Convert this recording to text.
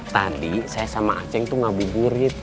tadi saya sama aceh itu ngabuburit